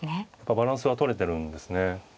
バランスはとれてるんですね。